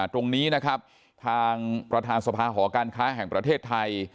ตรงนี้นะครับทางประธานสภาหอการค้าแห่งประเทศไทย